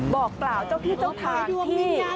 บอกกล่าวเจ้าที่เจ้าทางที่